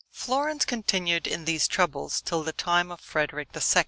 Florence continued in these troubles till the time of Frederick II.